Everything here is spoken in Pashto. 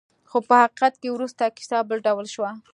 خو په حقیقت کې وروسته کیسه بل ډول شوه.